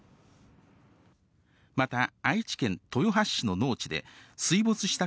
また、愛知県豊橋市の農地で、水没した